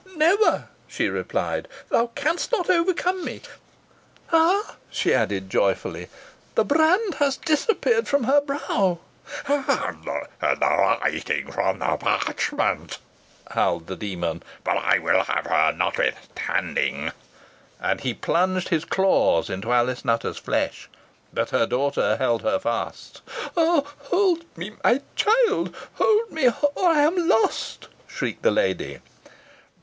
"Never," she replied; "thou canst not overcome me. Ha!" she added joyfully, "the brand has disappeared from her brow." "And the writing from the parchment," howled the demon; "but I will have her notwithstanding." And he plunged his claws into Alice Nutter's flesh. But her daughter held her fast. "Oh! hold me, my child hold me, or I am lost!" shrieked the lady.